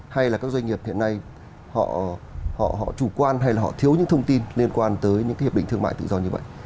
hay là các doanh nghiệp hiện nay họ chủ quan hay là họ thiếu những thông tin liên quan tới những hiệp định thương mại tự do như vậy